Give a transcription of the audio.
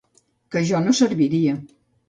Que jo no serviria.